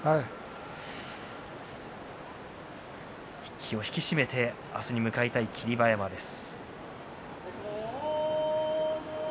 気を引き締めて明日に臨みたい霧馬山です。